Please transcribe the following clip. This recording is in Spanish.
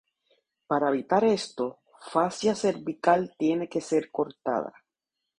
Para evitar esto, fascia cervical tiene que ser cortada.